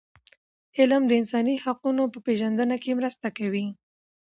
علم د انساني حقونو په پېژندنه کي مرسته کوي.